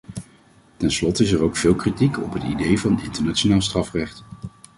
Ten slotte is er ook veel kritiek op het idee van internationaal strafrecht.